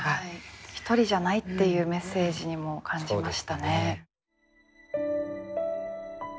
一人じゃないっていうメッセージにも感じましたね。